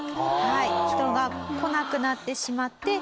人が来なくなってしまって閉店。